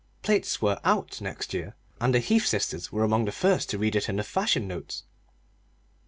Plaits were "out" next year, and the Heath sisters were among the first to read it in the fashion notes.